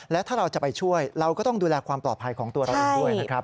และถ้าเราจะไปช่วยเราก็ต้องดูแลความปลอดภัยของตัวเราเองด้วยนะครับ